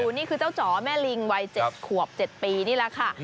นี่คือเจ้าจ๋อแม่ลิงวัย๗ขวบ๗ปีนี่แหละค่ะ